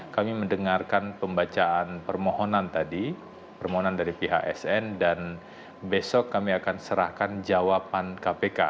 kami mendengarkan pembacaan permohonan tadi permohonan dari pihak sn dan besok kami akan serahkan jawaban kpk